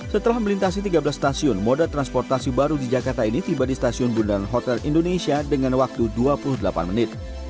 setelah melintasi tiga belas stasiun moda transportasi baru di jakarta ini tiba di stasiun bundaran hotel indonesia dengan waktu dua puluh delapan menit